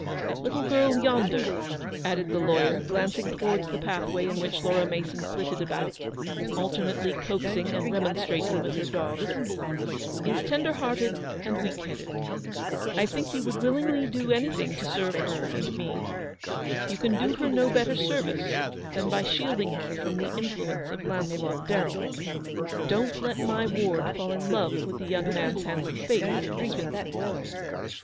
That little girl yonder," added the lawyer, glancing towards the pathway in which Laura Mason flitted about, alternately coaxing and remonstrating with her dogs, "is tender hearted and weak headed. I think you would willingly do anything to serve her and me. You can do her no better service than by shield ing her from the influence of Launcelot Darrell. Don't let my ward fall in love with the young mans handsome face, Miss Vincent